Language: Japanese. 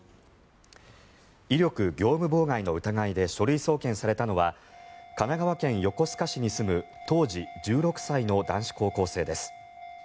威力業務妨害の疑いで書類送検されたのは神奈川県横須賀市に住む当時１６歳の男子高校生です。